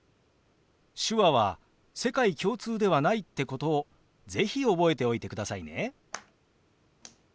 手話は世界共通ではないってことを是非覚えておいてくださいね。